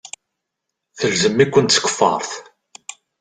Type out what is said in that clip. Telzem-ikent tkeffart.